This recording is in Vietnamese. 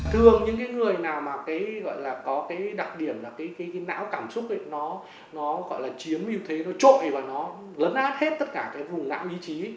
thường những người nào có đặc điểm là cái não cảm xúc nó chiếm như thế nó trội và nó lấn át hết tất cả cái vùng não ý chí